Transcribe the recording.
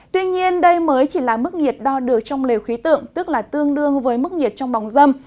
tuy nhiên đây mới chỉ là mức nhiệt đo được trong lều khí tượng tức là tương đương với mức nhiệt trong bóng dâm